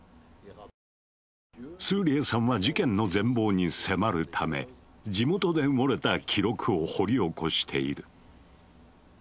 スーリエさんは事件の全貌に迫るため地元で埋もれた記録を掘り起こしている。